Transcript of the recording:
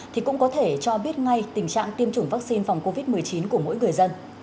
thì cũng có thể cho biết ngay tình trạng tiêm chủng vaccine phòng covid một mươi chín của mỗi người dân